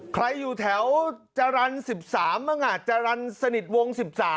ใครอยู่แถวจรรย์๑๓มั้งอ่ะจรรย์สนิทวง๑๓นั้นอ่ะ